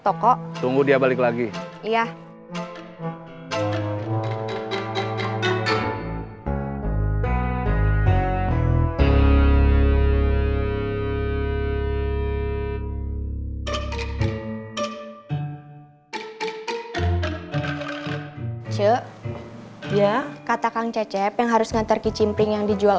pokok tunggu dia balik lagi iya cuk ya kata kang cecep yang harus ngantar kicimpring yang dijual